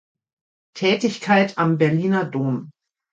Tätigkeit am Berliner Dom.